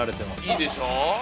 いいでしょう？